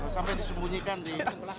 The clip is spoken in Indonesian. sampai disembunyikan di